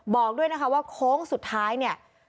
บอกด้วยนะคะว่าโค้งสุดท้ายเนี่ย